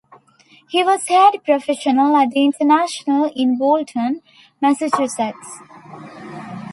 He was head professional at The International in Bolton, Massachusetts.